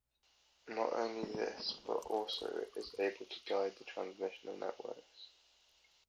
Not only this but also is able to guide the transmission of networks.